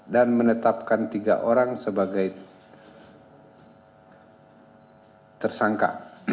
dan menetapkan tiga orang sebagai tersangka